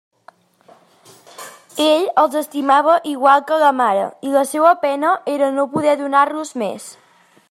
Ell els estimava igual que a la mare, i la seua pena era no poder donar-los més.